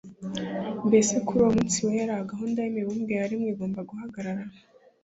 Mbese kuri uwo munsi wera, gahunda y’imibumbe yaremwe igomba guhagarara?